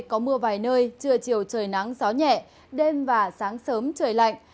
có mưa vài nơi trưa chiều trời nắng gió nhẹ đêm và sáng sớm trời lạnh